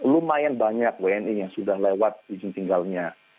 lumayan banyak wni yang sudah lewat izin tinggalnya